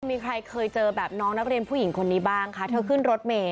มีใครเคยเจอแบบน้องนักเรียนผู้หญิงคนนี้บ้างคะเธอขึ้นรถเมย